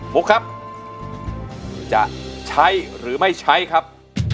ุ๊กครับจะใช้หรือไม่ใช้ครับ